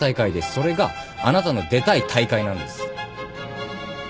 それがあなたの出たい大会なんです。